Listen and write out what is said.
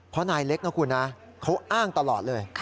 เพราะนายเล็กนะคุณนะเขาอ้างตลอดเลย